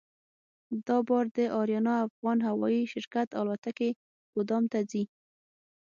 دا بار د اریانا افغان هوایي شرکت الوتکې ګودام ته ځي.